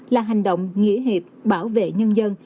là hành động nghĩa hiệp bảo vệ nhân dân